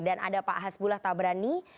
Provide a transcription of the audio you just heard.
dan ada pak hasbulah tabrani